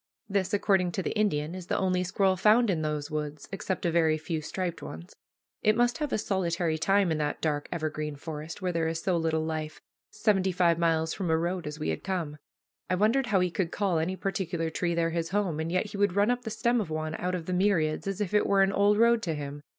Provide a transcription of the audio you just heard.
This, according to the Indian, is the only squirrel found in those woods, except a very few striped ones. It must have a solitary time in that dark evergreen forest, where there is so little life, seventy five miles from a road as we had come. I wondered how he could call any particular tree there his home, and yet he would run up the stem of one out of the myriads, as if it were an old road to him.